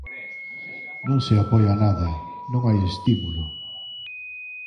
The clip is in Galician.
Non se apoia nada, non hai estímulo.